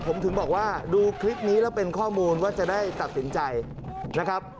ผมถึงบอกว่าดูคลิปนี้แล้วเป็นข้อมูลว่าจะได้ตัดสินใจนะครับ